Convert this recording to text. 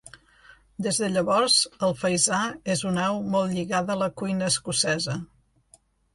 Des de llavors, el faisà és una au molt lligada a la cuina escocesa.